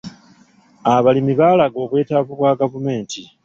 Abalimi baalaga obwetaavu bwa gavumenti.